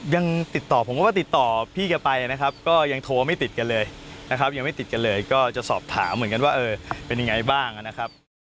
ยังติดต่อผมก็ว่าติดต่อพี่แกไปนะครับก็ยังโทรไม่ติดกันเลยนะครับยังไม่ติดกันเลยก็จะสอบถามเหมือนกันว่าเออเป็นยังไงบ้างนะครับ